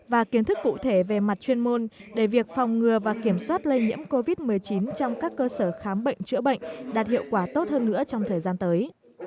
và kiến thức cụ thể về mặt chuyên môn để việc phòng ngừa và kiểm soát lây nhiễm covid một mươi chín trong các cơ sở khám bệnh chữa bệnh đạt hiệu quả tốt hơn nữa trong thời gian tới